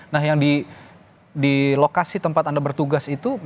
nah yang di lokasi tempat anda bertugas itu